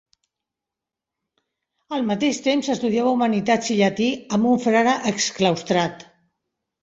Al mateix temps, estudiava humanitats i llatí amb un frare exclaustrat.